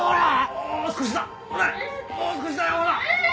もう少しだ！